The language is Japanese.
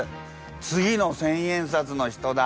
次の千円札の人だ。